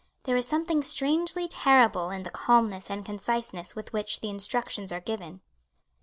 There is something strangely terrible in the calmness and conciseness with which the instructions are given.